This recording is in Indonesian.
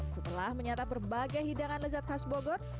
setelah menyatap berbagai hidangan lezat khas bogor